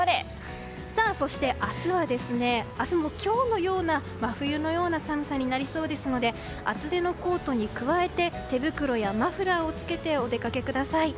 そして明日も今日のような真冬のような寒さになりそうですので厚手のコートに加えて手袋やマフラーをつけてお出かけください。